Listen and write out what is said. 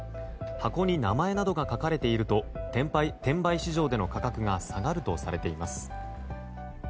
箱に名前などが書かれていると転売市場での価格が下がるとされています。